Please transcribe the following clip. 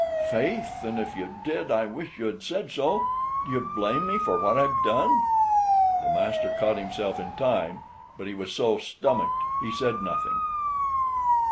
"Faith, an' if you did, I wish you had said so. Do you blame me for what I have done?" The master caught himself in time, but he was so stomached [disconcerted], he said nothing.